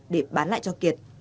để bán lại cho kiệt